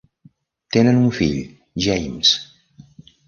Tenen un fill: James.